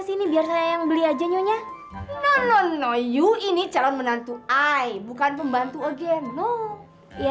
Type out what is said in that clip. sampai jumpa di video selanjutnya